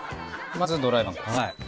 まずドライパン粉。